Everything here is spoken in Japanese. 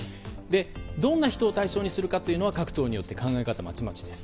どんな人を対象にするかというのは各党によって考え方、まちまちです。